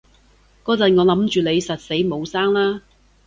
嗰陣我諗住你實死冇生喇